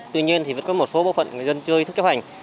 tuy nhiên thì vẫn có một số bộ phận người dân chưa ý thức chấp hành